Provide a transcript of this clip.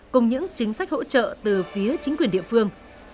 cùng những chính sách hỗ trợ từ phía chính quyền địa phương